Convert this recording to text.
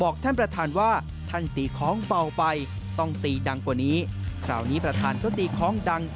คราวนี้ประธานก็ตีของดัง